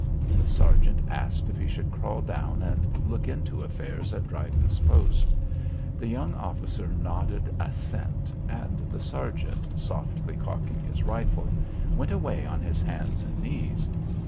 The sergeant asked if he should crawl down and look into affairs at Dryden's post. The young officer nodded assent and the sergeant, softly cocking his rifle, went away on his hands and knees.